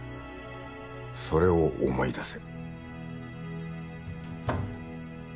それを思い出せ。